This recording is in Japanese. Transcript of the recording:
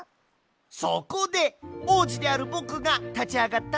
そこでおうじであるぼくがたちあがったってわけさ。